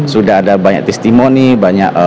sudah ada banyak testimoni banyak